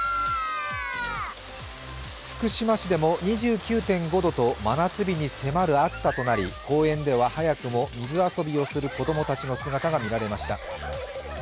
福島市でも２９．５度と真夏日に迫る暑さとなり公園では、早くも水遊びをする子供たちの姿が見られました。